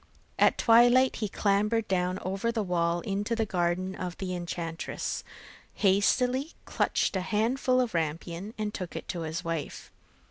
At twilight, he clambered down over the wall into the garden of the enchantress, hastily clutched a handful of rampion, and took it to his wife.